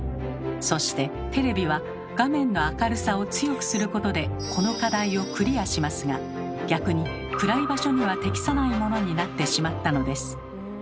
そしてテレビは画面の明るさを強くすることでこの課題をクリアしますが逆に暗い場所には適さないものになってしまったのです。